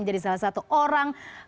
menjadi salah satu orang